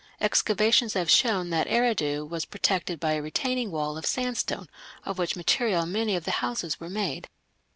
Excavations have shown that Eridu was protected by a retaining wall of sandstone, of which material many of its houses were made.